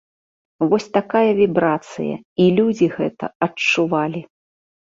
Вось такая вібрацыя і людзі гэта адчувалі!